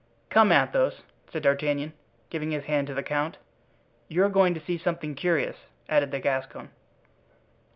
"Come, Athos!" said D'Artagnan, giving his hand to the count; "you are going to see something curious," added the Gascon.